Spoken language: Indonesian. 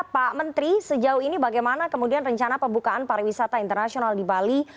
pak menteri sejauh ini bagaimana kemudian rencana pembukaan pariwisata internasional di bali